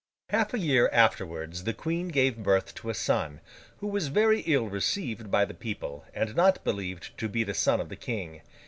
Half a year afterwards the Queen gave birth to a son, who was very ill received by the people, and not believed to be the son of the King.